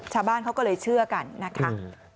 ชาวบ้านเขาก็เลยเชื่อกันนะคะ